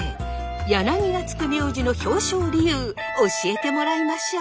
柳がつく名字の表彰理由教えてもらいましょう。